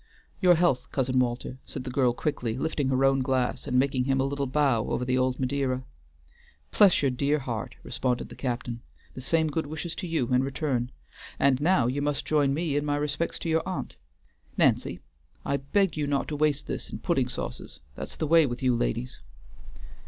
"Your health, cousin Walter!" said the girl quickly, lifting her own glass, and making him a little bow over the old Madeira. "Bless your dear heart!" responded the captain; "the same good wishes to you in return, and now you must join me in my respects to your aunt. Nancy! I beg you not to waste this in pudding sauces; that's the way with you ladies."